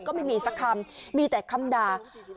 ก็ไม่มีสักคำมีแต่คำด่า